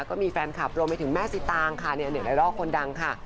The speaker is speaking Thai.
ก็มีแฟนคลับรวมไปถึงแม่สิตางค่ะในเน็ตไอดอลคนดังค่ะ